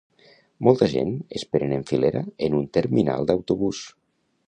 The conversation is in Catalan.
Molta gent esperen en filera en un terminal d'autobús.